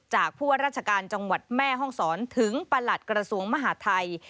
จากผู้รัชกาลจังหวัดแม่ห้องศรถึงประหลัดกระสวมมหาธัย